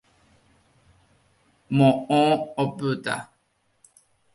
Moõ opyta.